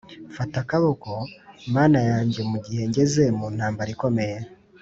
mfata akaboko mana yanjye mu gihe ngeze mu ntambara ikomeye